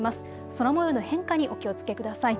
空もようの変化にお気をつけください。